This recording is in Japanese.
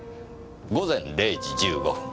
午前０時１５分。